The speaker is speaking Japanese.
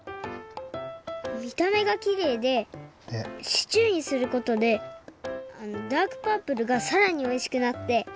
みためがきれいでシチューにすることでダークパープルがさらにおいしくなって。